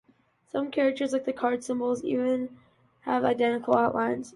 Some characters, like the card symbols, have even identical outlines.